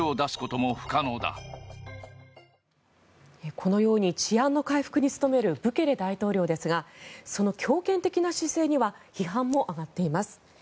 このように治安の回復に努めるブケレ大統領ですがその強権的な姿勢には批判も上がっています。